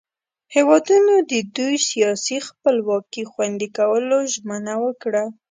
هیوادونو د دوئ سیاسي خپلواکي خوندي کولو ژمنه وکړه.